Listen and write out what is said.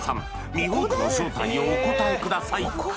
ミホークの正体をお答えください